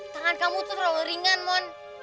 tangan kamu tuh terlalu ringan mon